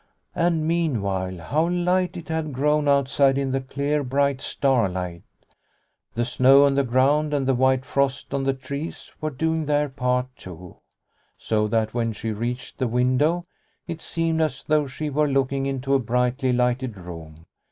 And, meanwhile, how light it had grown outside in the clear, bright starlight. The snow on the ground and the white frost on the trees were doing their part too, so that when she reached the window it seemed as though she were look ing into a brightly lighted room.